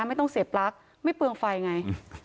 ไม่ต้องเสียปลั๊กไม่เปลืองไฟไง